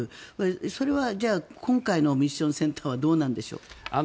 それは、じゃあ今回のミッションセンターはどうなんでしょうか？